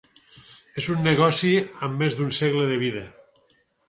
És un negoci amb més d'un segle de vida.